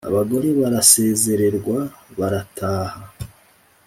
abagore barasezererwa barataha.